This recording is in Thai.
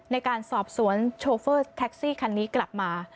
ในการสอบสวนโชเฟอร์แท็กซี่คันนี้กลับมา